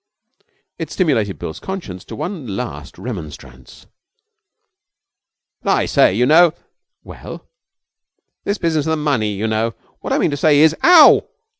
It stimulated Bill's conscience to one last remonstrance. 'But, I say, you know ' 'Well?' 'This business of the money, you know. What I mean to say is Ow!'